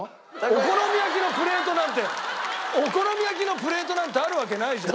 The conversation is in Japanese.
お好み焼きのプレートなんてお好み焼きのプレートなんてあるわけないじゃん。